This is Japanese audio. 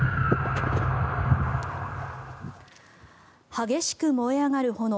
激しく燃えあがる炎。